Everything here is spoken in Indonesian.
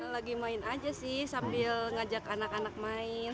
lagi main aja sih sambil ngajak anak anak main